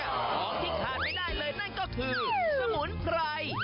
ของที่ขาดไม่ได้เลยนั่นก็คือสมุนไพร